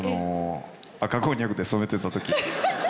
赤こんにゃくで染めてた時。